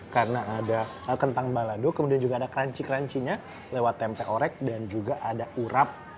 karena ada kentang balado kemudian juga ada crunchy crunchy nya lewat tempe orek dan juga ada urap